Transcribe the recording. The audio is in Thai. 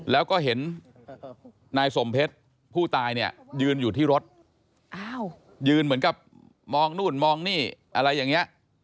แล้วก็เห็นนายสมเพชรผู้ตายเนี่ยยืนอยู่ที่รถยืนเหมือนกับมองนู่นมองนี่อะไรอย่างนี้